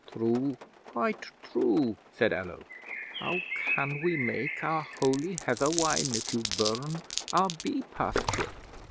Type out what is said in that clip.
'"True, quite true," said Allo. "How can we make our holy heather wine, if you burn our bee pasture?"